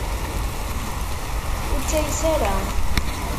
Ur ttayes ara.